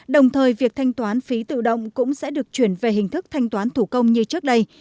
đồng thời việc thanh toán phí tự động cũng sẽ được chuyển về hình thức thanh toán thủ công như trước đây